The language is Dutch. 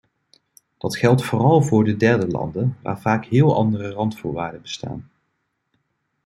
Dat geldt vooral voor de derde landen, waar vaak heel andere randvoorwaarden bestaan.